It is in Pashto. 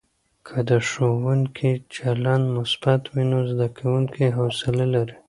که د ښوونکي چلند مثبت وي، زده کوونکي حوصله لري.